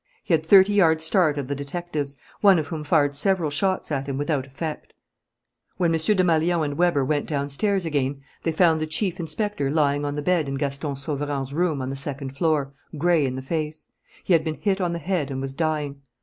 He had thirty yards' start of the detectives, one of whom fired several shots at him without effect. When M. Desmalions and Weber went downstairs again, they found the chief inspector lying on the bed in Gaston Sauverand's room on the second floor, gray in the face. He had been hit on the head and was dying.